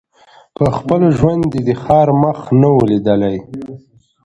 په خپل ژوند یې د ښار مخ نه وو لیدلی